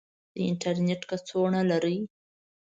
د انترنیټ کڅوړه لرئ؟